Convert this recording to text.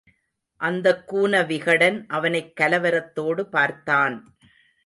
அந்தக் கூன விகடன் அவனைக் கலவரத்தோடு பார்த்தான்.